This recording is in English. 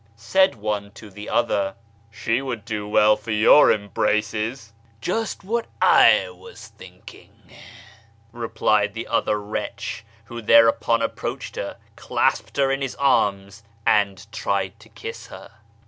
Said one to the other, "She would do well for your embraces." " Just what I was thinking," replied the other wretch, who thereupon approached her, clasped her in his arms, and tried to kiss her.